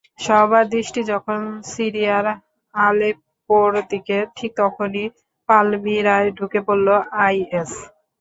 সবার দৃষ্টি যখন সিরিয়ার আলেপ্পোর দিকে, ঠিক তখনই পালমিরায় ঢুকে পড়ল আইএস।